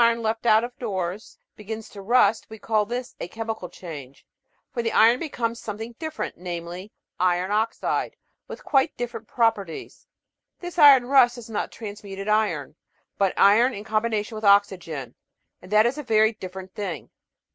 The Romance of Chemistry 723 left out of doors begins to rust, we call this a chemical change, for the iron becomes something different, namely, iron oxide, with quite different properties. This iron rust is not transmuted iron, but iron in combination with oxygen, and that is a very different thing.